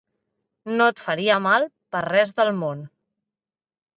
No et faria mal per res del món.